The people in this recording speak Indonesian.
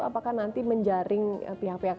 apakah nanti menjaring pihak pihak